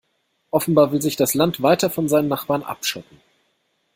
Offenbar will sich das Land weiter von seinen Nachbarn abschotten.